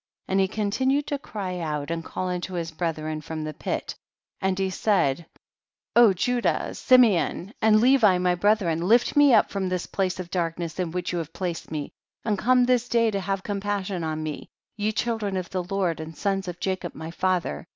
And he continued to cry out and call unto his brethren from the pit, and he said, O Judah, Simeon 128 THE BOOK OF JASHER. and Levi my brethren, lift me up from the place of darkness in which you have placed me, and come this day to have compassion on me, ye children of the Lord, and sons of Ja cob my father.